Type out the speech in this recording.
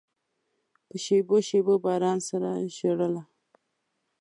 په شېبو، شېبو باران سره ژړله